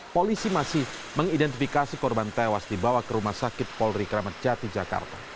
polisi masih mengidentifikasi korban tewas dibawa ke rumah sakit polri kramat jati jakarta